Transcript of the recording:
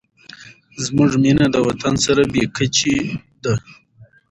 زموږ مینه د وطن سره بې کچې ده.